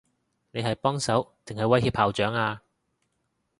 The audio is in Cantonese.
你係幫手，定係威脅校長啊？